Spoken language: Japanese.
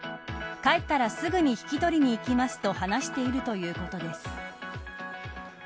帰ったらすぐに引き取りに行きますと話しているということです。